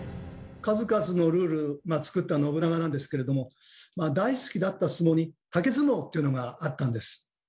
数々のルールまあ作った信長なんですけれども大好きだった相撲に「竹相撲」というのがあったんです。